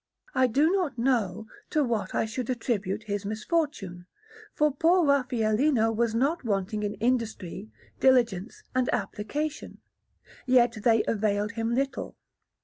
I do not know to what I should attribute his misfortune, for poor Raffaellino was not wanting in industry, diligence, and application; yet they availed him little.